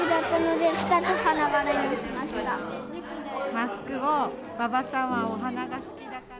マスクを馬場さんはお花が好きだから。